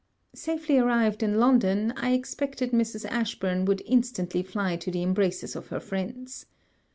Safely arrived in London, I expected Mrs. Ashburn would instantly fly to the embraces of her friends.